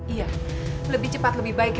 iya lebih cepat lebih baik